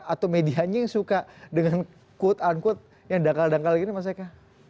atau medianya yang suka dengan quote unquote yang dangkal dangkal gini mas eka